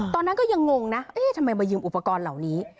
ตอนนั้นก็ยังงงนะเอ๊ะทำไมมายืมอุปกรณ์เหล่านี้